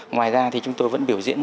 ngoài ra thì chúng tôi vẫn biểu diễn